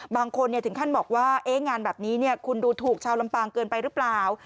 บางคนถึงขั้นบอกว่างานแบบนี้คุณดูถูกชาวลำปางเกินไปหรือเปล่า